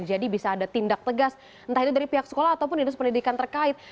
jadi bisa ada tindak tegas entah itu dari pihak sekolah ataupun dari pendidikan terkait